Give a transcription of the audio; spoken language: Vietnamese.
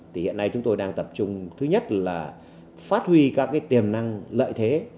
thì hiện nay chúng tôi đang tập trung thứ nhất là phát huy các tiềm năng lợi thế